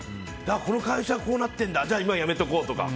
この会社こうなってるんだじゃあ今やめとこうとか。